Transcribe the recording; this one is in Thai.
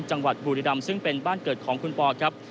จังหวัดบุรีรำซึ่งเป็นบ้านเกิดของคุณปอครับ